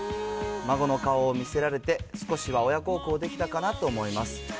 孫の顔を見せられて、少しは親孝行できたかなと思います。